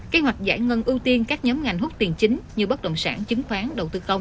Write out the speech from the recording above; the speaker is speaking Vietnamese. kế hoạch giải ngân ưu tiên các nhóm ngành hút tiền chính như bất động sản chứng khoán đầu tư công